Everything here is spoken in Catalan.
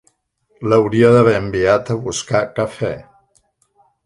L'hauria d'haver enviat a buscar cafè.